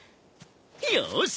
よし！